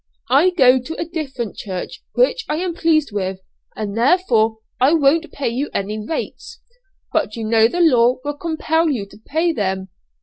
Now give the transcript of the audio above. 'I go to a different church, which I am pleased with, and therefore I won't pay you any rates.' 'But you know the law will compel you to pay them.'